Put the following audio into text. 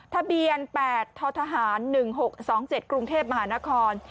ทะเบียนแปดท้อทหารหนึ่งหกสองเจ็ดกรุงเทพมหานคร